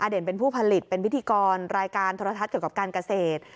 เด่นเป็นผู้ผลิตเป็นพิธีกรรายการโทรทัศน์เกี่ยวกับการเกษตร